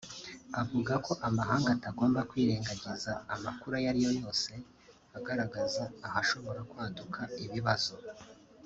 avuga ko amahanga atagomba kwirengagiza amakuru ayo ari yo yose agaragaza ahashobora kwaduka ibibazo